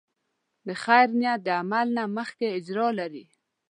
د خیر نیت د عمل نه مخکې اجر لري.